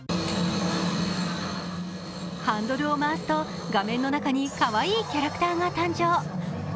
ハンドルを回すと画面の中にかわいいキャラクターが誕生。